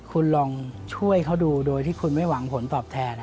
คุณลองช่วยเขาดูโดยที่คุณไม่หวังผลตอบแทน